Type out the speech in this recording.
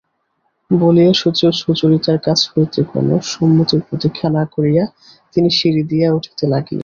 বলিয়া সুচরিতার কাছ হইতে কোনো সম্মতির প্রতীক্ষা না করিয়া তিনি সিঁড়ি দিয়া উঠিতে লাগিলেন।